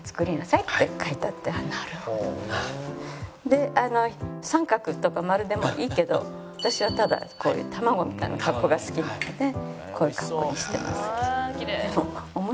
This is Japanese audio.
であの三角とか丸でもいいけど私はただこういう卵みたいな格好が好きなのでこういう格好にしてます。